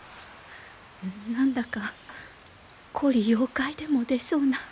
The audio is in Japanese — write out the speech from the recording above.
何だか狐狸妖怪でも出そうな。